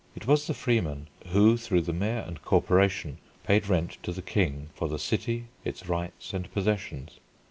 It was the freemen who, through the Mayor and Corporation, paid rent to the King for the city, its rights and possessions.